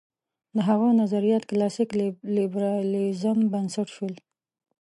د هغه نظریات کلاسیک لېبرالېزم بنسټ شول.